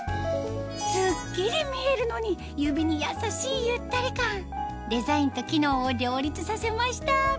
スッキリ見えるのに指に優しいゆったり感デザインと機能を両立させました